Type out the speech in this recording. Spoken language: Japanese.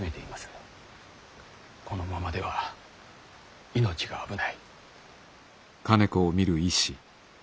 このままでは命が危ない。